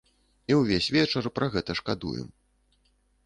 І ўвесь вечар пра гэта шкадуем.